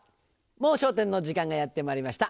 『もう笑点』の時間がやってまいりました。